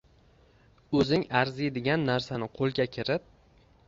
O’zing arziydigan narsani qo’lga kirit!